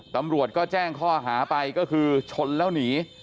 ตำรวจก็แจ้งข้อหาไปก็คือชนแล้วหนี